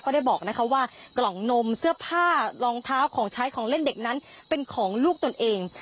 ได้บอกนะคะว่ากล่องนมเสื้อผ้ารองเท้าของใช้ของเล่นเด็กนั้นเป็นของลูกตนเอง